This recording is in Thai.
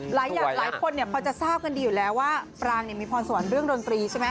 หลายคนพอจะทราบกันดีอยู่แล้วว่าปรางมีพรสวรรค์เรื่องดนตรีใช่ไหม